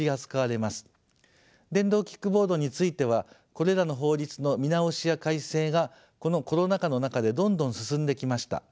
電動キックボードについてはこれらの法律の見直しや改正がこのコロナ禍の中でどんどん進んできました。